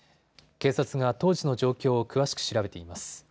警察が当時の状況を詳しく調べています。